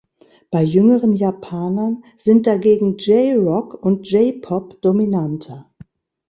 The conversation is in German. Bei jüngeren Japanern sind dagegen J-Rock und J-Pop dominanter.